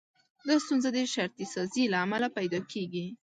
دا ستونزه د شرطي سازي له امله پيدا کېږي.